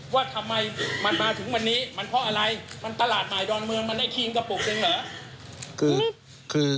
ว่าทำไมมันมาถึงวันนี้มันเพราะอะไรมันตลาดใหม่ดอนเมืองมันได้ครีมกระปุกจริงเหรอ